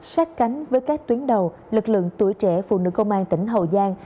sát cánh với các tuyến đầu lực lượng tuổi trẻ phụ nữ công an tỉnh hậu giang